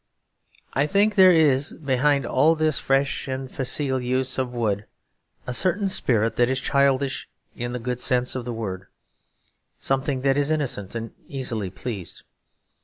I think there is behind all this fresh and facile use of wood a certain spirit that is childish in the good sense of the word; something that is innocent, and easily pleased.